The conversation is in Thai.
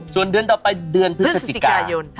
ส่วนเดือนต่อไปเดือนพฤศจิกายน